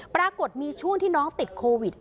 ปรากฏมีช่วงที่น้องติดโควิด